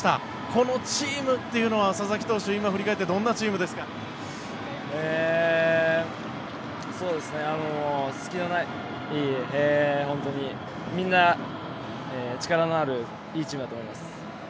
このチームというのは佐々木投手、今振り返って隙のないみんな力のあるいいチームだと思います。